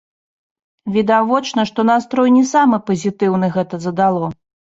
Відавочна, што настрой не самы пазітыўны гэта задало.